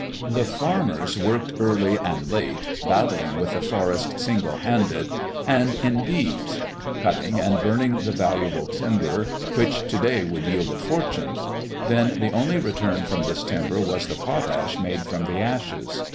The farmers worked early and late battling with the forest, single handed and in "bees"; cutting and burning the valuable timber, which to day would yield a fortune; then, the only return from this timber was the potash made from the ashes.